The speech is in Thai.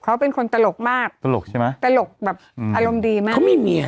เขาเป็นคนตลกมากตลกใช่ไหมตลกแบบอืมอารมณ์ดีมากเขามีเมีย